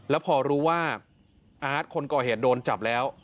แล้วพอรู้ว่าอาร์ตคนก่อเหตุโดนจับแล้ว